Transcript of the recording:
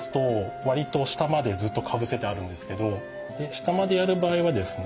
下までやる場合はですね